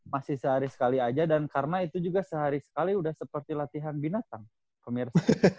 masih sehari sekali aja dan karena itu juga sehari sekali sudah seperti latihan binatang pemirsa